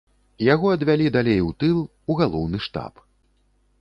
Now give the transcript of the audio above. Яго адвялі далей у тыл, у галоўны штаб.